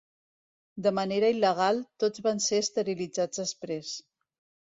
De manera il·legal, tots van ser esterilitzats després.